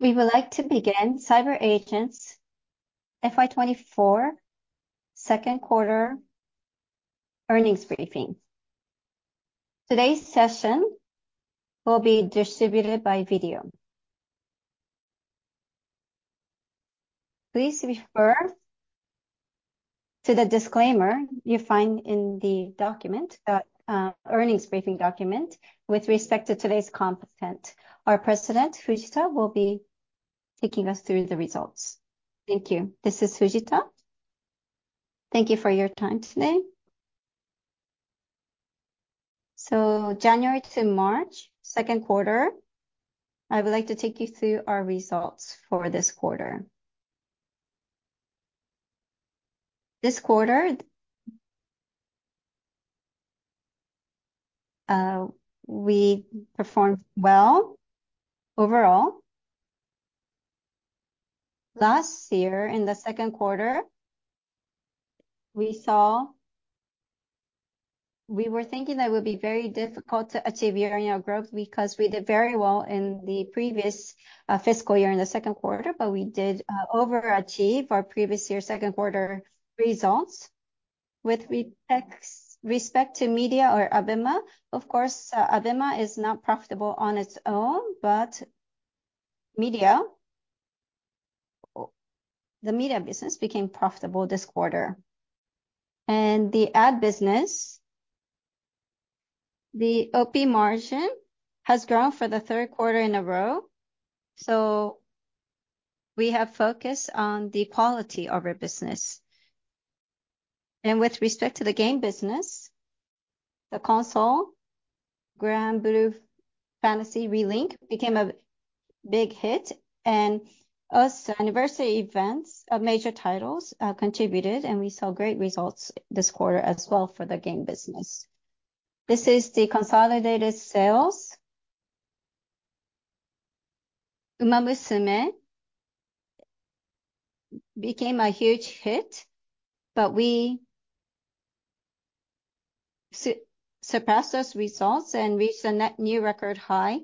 We would like to begin CyberAgent's FY 2024 Second Quarter Earnings Briefing. Today's session will be distributed by video. Please refer to the disclaimer you find in the document, earnings briefing document, with respect to today's content. Our President, Fujita, will be taking us through the results. Thank you. This is Fujita. Thank you for your time today. January to March, second quarter, I would like to take you through our results for this quarter. This quarter, we performed well overall. Last year, in the second quarter, we were thinking that it would be very difficult to achieve annual growth because we did very well in the previous, fiscal year in the second quarter, but we did, overachieve our previous year second quarter results. With respect to media or ABEMA, of course, ABEMA is not profitable on its own, but media, or the media business became profitable this quarter. And the ad business, the OP margin has grown for the third quarter in a row, so we have focused on the quality of our business. And with respect to the game business, the console, Granblue Fantasy: Relink, became a big hit, and also anniversary events of major titles contributed, and we saw great results this quarter as well for the game business. This is the consolidated sales. Umamusume became a huge hit, but we surpassed those results and reached a net new record high.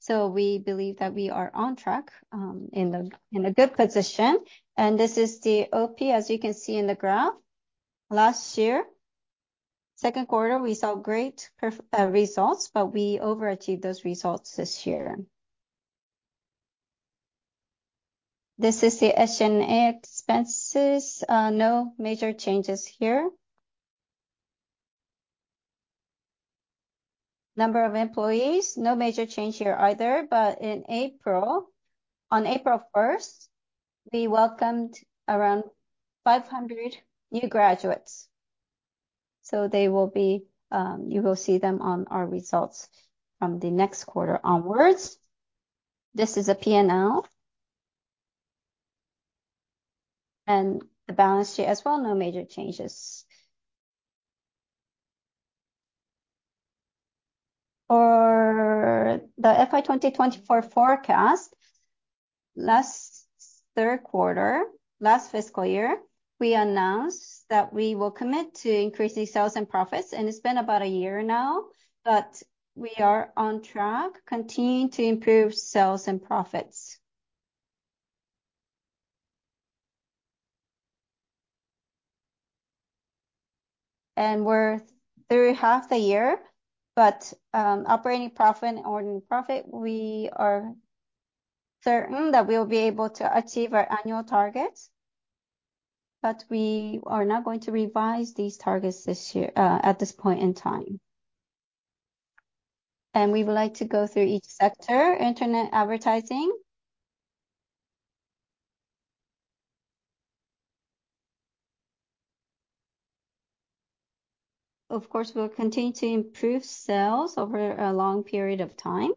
So we believe that we are on track, in a good position. And this is the OP, as you can see in the graph. Last year, second quarter, we saw great results, but we overachieved those results this year. This is the S&A expenses. No major changes here. Number of employees, no major change here either, but in April, on April 1, we welcomed around 500 new graduates, so they will be... You will see them on our results from the next quarter onwards. This is a P&L, and the balance sheet as well, no major changes. For the FY 2024 forecast, last third quarter, last fiscal year, we announced that we will commit to increasing sales and profits, and it's been about a year now, but we are on track, continuing to improve sales and profits. We're through half the year, but operating profit and ordinary profit, we are certain that we'll be able to achieve our annual targets, but we are not going to revise these targets this year, at this point in time. We would like to go through each sector. Internet advertising. Of course, we'll continue to improve sales over a long period of time.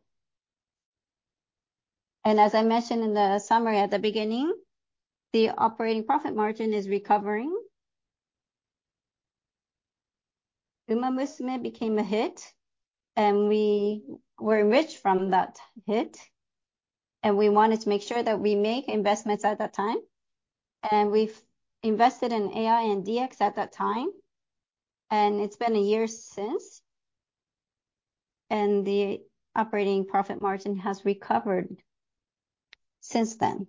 As I mentioned in the summary at the beginning, the operating profit margin is recovering. Umamusume became a hit, and we were enriched from that hit, and we wanted to make sure that we make investments at that time. We've invested in AI and DX at that time, and it's been a year since, and the operating profit margin has recovered since then.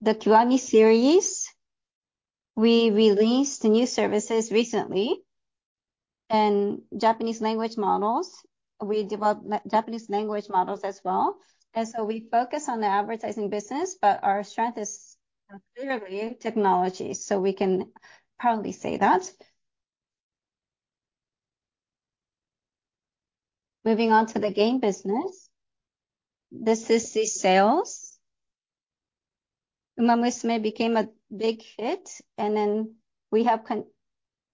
The Kiwami series, we released new services recently, and Japanese language models, we developed Japanese language models as well. So we focus on the advertising business, but our strength is clearly technology, so we can proudly say that. Moving on to the game business. This is the sales. Umamusume became a big hit.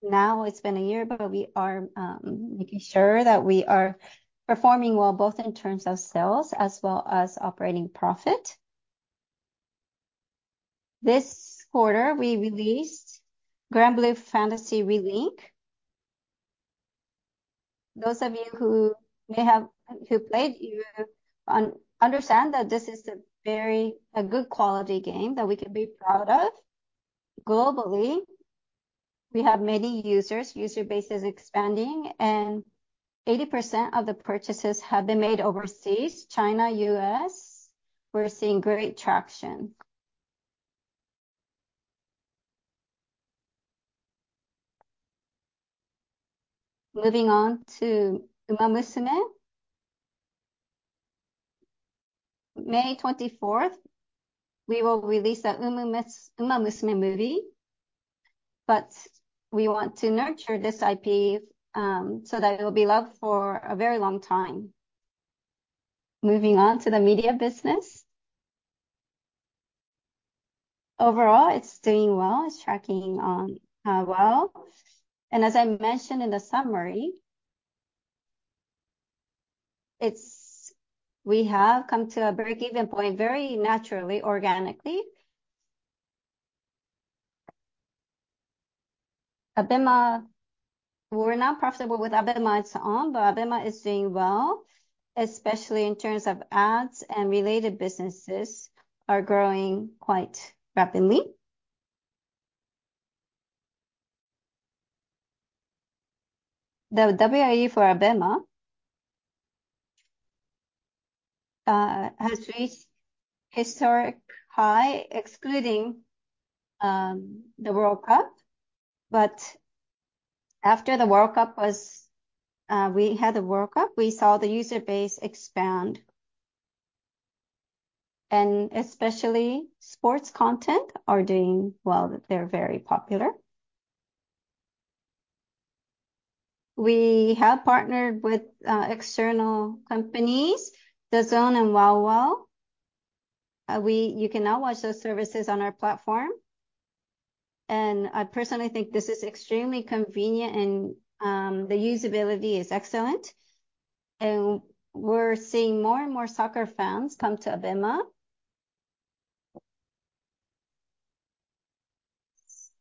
Now it's been a year, but we are making sure that we are performing well, both in terms of sales as well as operating profit. This quarter, we released Granblue Fantasy: Relink. Those of you who may have played, you understand that this is a very good quality game that we can be proud of globally. We have many users, user base is expanding, and 80% of the purchases have been made overseas, China, U.S. We're seeing great traction. Moving on to Umamusume.May 24th, we will release the Umamusume movie, but we want to nurture this IP, so that it'll be loved for a very long time. Moving on to the media business. Overall, it's doing well. It's tracking on well, and as I mentioned in the summary, we have come to a break-even point very naturally, organically. ABEMA, we're not profitable with ABEMA on, but ABEMA is doing well, especially in terms of ads and related businesses are growing quite rapidly. The WAU for ABEMA has reached historic high, excluding the World Cup. But after the World Cup, we saw the user base expand, and especially sports content are doing well. They're very popular. We have partnered with external companies, DAZN and WOWOW. You can now watch those services on our platform, and I personally think this is extremely convenient and the usability is excellent, and we're seeing more and more soccer fans come to ABEMA.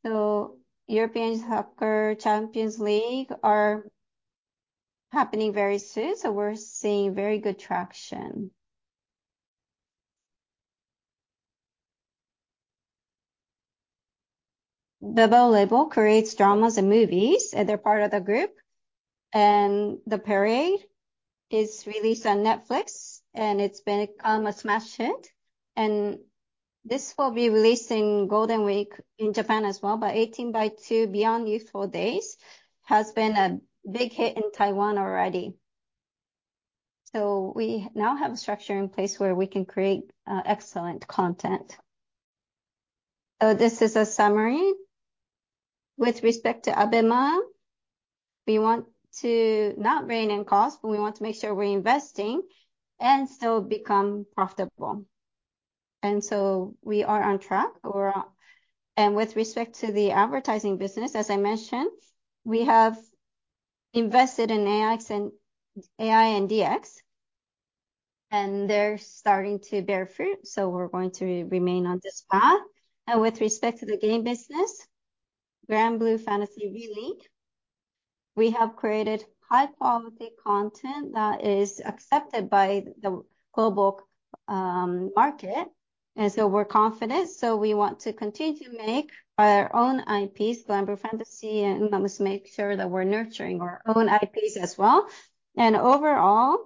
So European Soccer Champions League are happening very soon, so we're seeing very good traction. The BABEL LABEL creates dramas and movies, and they're part of the group, and The Parade is released on Netflix, and it's been a smash hit. And this will be released in Golden Week in Japan as well, but 18x2: Beyond Youthful Days has been a big hit in Taiwan already. So we now have a structure in place where we can create excellent content. So this is a summary. With respect to ABEMA, we want to not rein in cost, but we want to make sure we're investing and still become profitable, and so we are on track. And with respect to the advertising business, as I mentioned, we have invested in AX and AI and DX, and they're starting to bear fruit, so we're going to remain on this path. And with respect to the game business, Granblue Fantasy: Relink, we have created high-quality content that is accepted by the global market, and so we're confident. So we want to continue to make our own IPs, Granblue Fantasy, and let us make sure that we're nurturing our own IPs as well. And overall,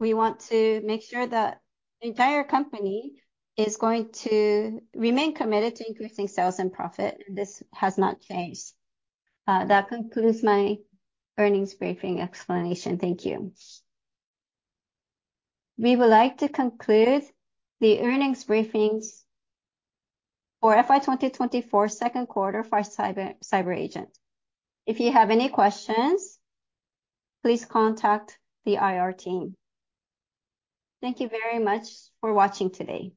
we want to make sure that the entire company is going to remain committed to increasing sales and profit, and this has not changed. That concludes my earnings briefing explanation. Thank you. We would like to conclude the Earnings Briefings for FY 2024 Second Quarter for CyberAgent. If you have any questions, please contact the IR team. Thank you very much for watching today.